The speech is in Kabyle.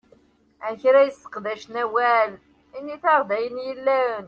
A kra yesseqdacen awal, init-aɣ-d ayen yellan!